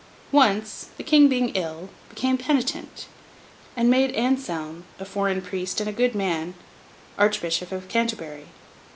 Once, the King being ill, became penitent, and made Anselm, a foreign priest and a good man, Archbishop of Canterbury.